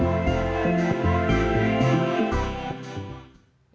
jangan jalan penjualan listrik